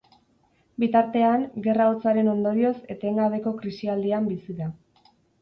Bitartean, Gerra Hotzaren ondorioz etengabeko krisialdian bizi da.